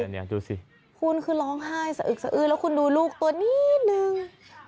นี่คือร้องไห้สะอึกแล้วคุณดูลูกตัวนิดหนึ่ง